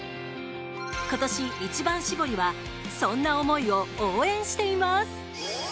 今年、一番搾りはそんな思いを応援しています。